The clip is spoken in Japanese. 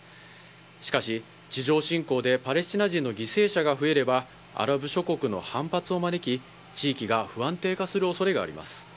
しかし、地上侵攻でパレスチナ人の犠牲者が増えれば、アラブ諸国の反発を招き、地域が不安定化するおそれがあります。